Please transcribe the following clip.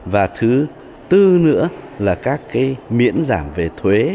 và thứ tư nữa là các cái miễn giảm về thuế